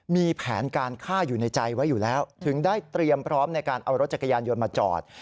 มีแผนการฆ่าอยู่ในใจไว้อยู่แล้วถึงได้เตรียมพร้อมในการเอารถจักรยานยนต์มาจอด